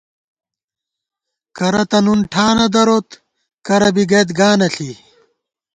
کرہ تہ نُن ٹھانہ دروت ، کرہ بی گئیت گانہ ݪی